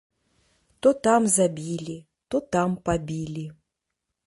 То там забілі, то там пабілі.